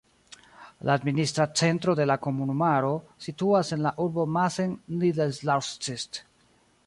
La administra centro de la komunumaro situas en la urbo Massen-Niederlausitz.